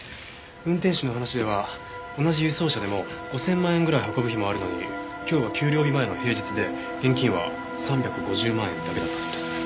運転手の話では同じ輸送車でも５０００万円ぐらい運ぶ日もあるのに今日は給料日前の平日で現金は３５０万円だけだったそうです。